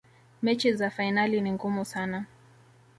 mechi za fainali ni ngumu sana